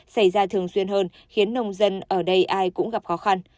xảy ra thường xuyên hơn khiến nông dân ở đây ai cũng gặp khó khăn